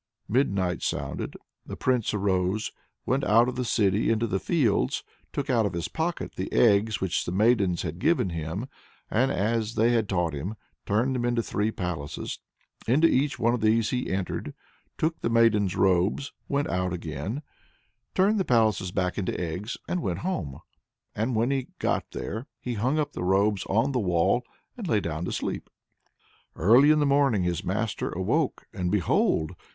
Midnight sounded. The Prince arose, went out of the city into the fields, took out of his pocket the eggs which the maidens had given him, and, as they had taught him, turned them into three palaces. Into each of these he entered, took the maidens' robes, went out again, turned the palaces back into eggs, and went home. And when he got there he hung up the robes on the wall, and lay down to sleep. Early in the morning his master awoke, and behold!